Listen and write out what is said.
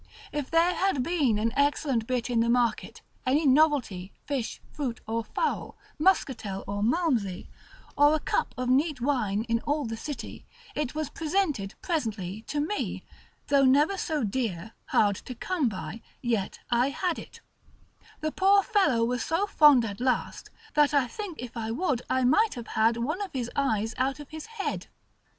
If there had been an excellent bit in the market, any novelty, fish, fruit, or fowl, muscatel, or malmsey, or a cup of neat wine in all the city, it was presented presently to me; though never so dear, hard to come by, yet I had it: the poor fellow was so fond at last, that I think if I would I might have had one of his eyes out of his head.